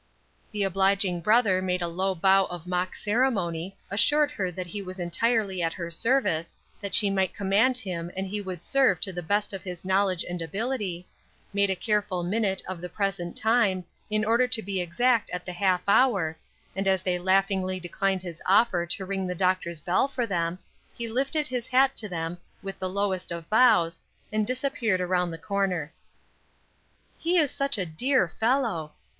The obliging brother made a low bow of mock ceremony, assured her that he was entirely at her service, that she might command him and he would serve to the best of his knowledge and ability, made a careful minute of the present time, in order to be exact at the half hour, and as they laughingly declined his offer to ring the doctor's bell for them, he lifted his hat to them, with the lowest of bows, and disappeared around the corner. "He is such a dear fellow!"